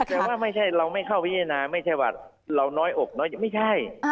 แต่ว่าไม่ใช่เราไม่เข้าพิจารณาไม่ใช่ว่าเราน้อยอกน้อยไม่ใช่